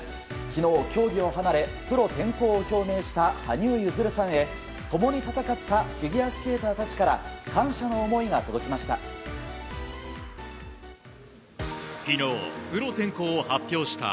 昨日、競技を離れプロ転向を表明した羽生結弦さんへ、共に戦ったフィギュアスケーターたちから感謝の思いが届きました。